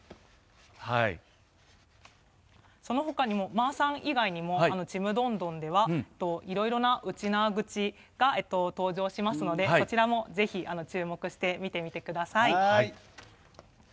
まーさん以外にも「ちむどんどん」ではいろいろな、うちなーぐちが登場しますので、そちらも、ぜひ注目して見てみてください。